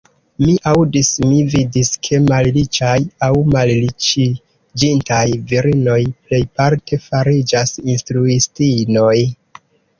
Mi aŭdis, mi vidis, ke malriĉaj aŭ malriĉiĝintaj virinoj plejparte fariĝas instruistinoj.